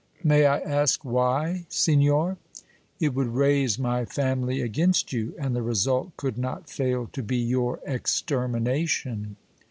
"May I ask why, signor?" "It would raise my family against you and the result could not fail to be your extermination!"